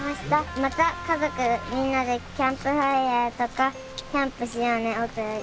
「また家族みんなでキャンプファイアとかキャンプしようねおとより」